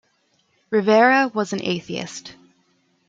Rivera was an atheist.